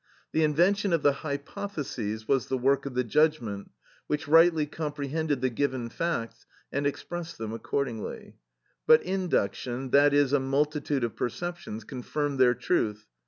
The invention of the hypotheses was the work of the judgment, which rightly comprehended the given facts and expressed them accordingly; but induction, that is, a multitude of perceptions, confirmed their truth.